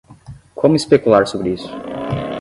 Como especular sobre isso?